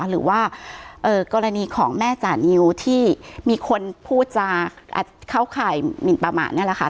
หรือว่ากรณีของแม่จานิวที่มีคนพูดจะเข้าข่ายหมินประมาทนี่แหละค่ะ